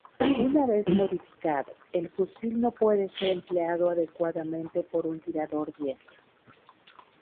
Una vez modificado, el fusil no puede ser empleado adecuadamente por un tirador diestro.